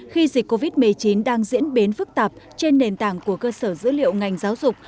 khi dịch covid một mươi chín đang diễn biến phức tạp trên nền tảng của cơ sở dữ liệu ngành giáo dục